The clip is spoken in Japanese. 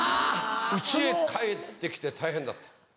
家へ帰って来て大変だった。